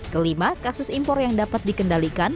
kelima kasus impor yang dapat dikendalikan